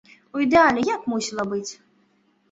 У ідэале як мусіла быць?